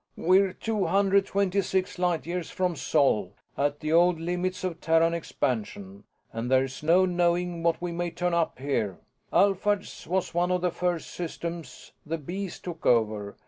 "We're two hundred twenty six light years from Sol, at the old limits of Terran expansion, and there's no knowing what we may turn up here. Alphard's was one of the first systems the Bees took over.